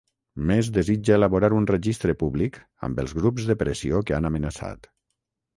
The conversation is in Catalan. Més desitja elaborar un registre públic amb els grups de pressió que han amenaçat